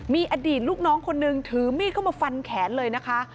มีอดีตลูกน้องคนนึงถือมีดเข้ามาฟันแขนเลยนะคะ